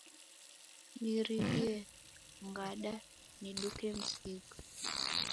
Nirighie ngada niduke msigo.